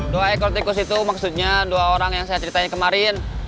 dua ekor tikus itu maksudnya dua orang yang saya ceritain kemarin